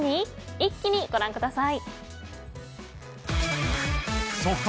一気に、ご覧ください。